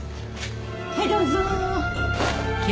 はいどうぞ。